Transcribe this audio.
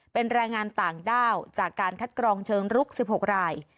เป็นแรงงานต่างด้าวจากการคัดกรองเชิงรุก๑๖ราย